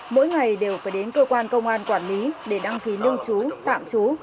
mỗi ngày đều phải đến cơ quan công an quản lý để đăng ký lưu trú tạm trú